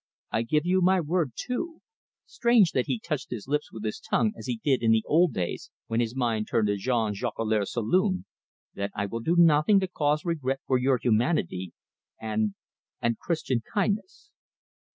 I give you my word, too" strange that he touched his lips with his tongue as he did in the old days when his mind turned to Jean Jolicoeur's saloon "that I will do nothing to cause regret for your humanity and and Christian kindness."